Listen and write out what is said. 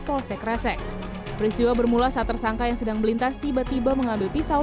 polsek resek peristiwa bermula saat tersangka yang sedang melintas tiba tiba mengambil pisau